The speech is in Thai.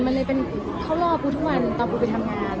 คาวรอครูทุกวันตอนพุทธงาน